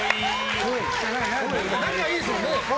仲いいですもんね